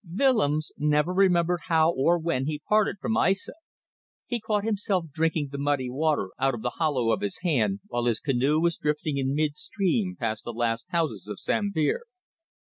Willems never remembered how and when he parted from Aissa. He caught himself drinking the muddy water out of the hollow of his hand, while his canoe was drifting in mid stream past the last houses of Sambir.